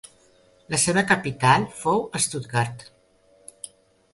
La seva capital fou Stuttgart.